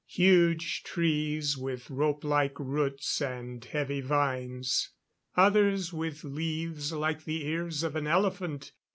Huge trees with rope like roots and heavy vines. Others with leaves like the ears of an elephant.